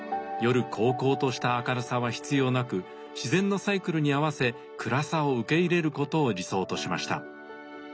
夜こうこうとした明るさは必要なく自然のサイクルに合わせ暗さを受け入れることを理想としました。